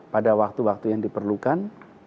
pada waktu waktu yang diperlukan